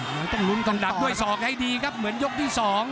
มันต้องลุ้นต้องดักด้วยศอกให้ดีครับเหมือนยกที่๒